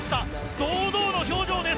堂々の表情です。